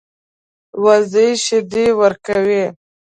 وزې شیدې ورکوي